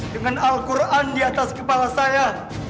dengan al quran di atas kepala saya